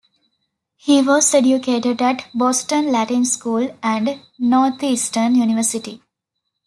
He was educated at Boston Latin School and Northeastern University.